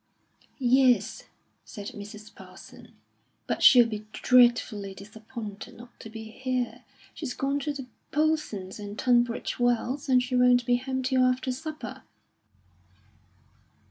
"Yes," said Mrs. Parson, "but she'll be dreadfully disappointed not to be here; she's gone to the Polsons in Tunbridge Wells, and she won't be home till after supper."